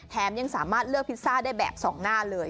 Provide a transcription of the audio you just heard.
ยังสามารถเลือกพิซซ่าได้แบบสองหน้าเลย